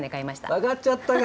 分かっちゃったか。